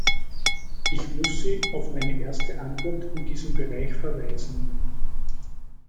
Ich muss Sie auf meine erste Antwort in diesem Bereich verweisen.